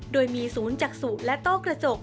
โดยมีศูนย์จักษุและโต้กระจก